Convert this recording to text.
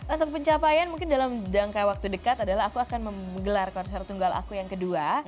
untuk pencapaian mungkin dalam jangka waktu dekat adalah aku akan menggelar konser tunggal aku yang kedua